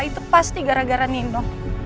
itu pasti gara gara nindok